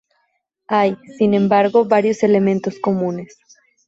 Hay, sin embargo, varios elementos comunes.